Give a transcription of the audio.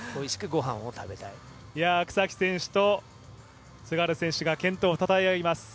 草木選手と菅原選手が健闘をたたえ合います。